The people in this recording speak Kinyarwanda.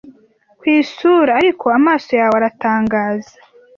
Ku isura.) Ariko amaso yawe aratangaza